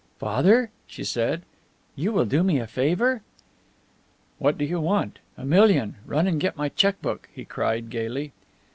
"Father," she said, "you will do me a favour?" "What do you want a million? Run and get my check book!" he cried, gayly.